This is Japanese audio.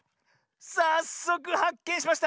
さっそくはっけんしました！